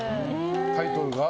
タイトルが？